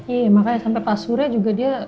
iya makanya sampai pas surya juga dia